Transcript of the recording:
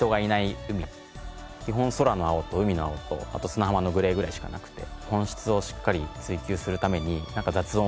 基本空の青と海の青とあと砂浜のグレーぐらいしかなくて。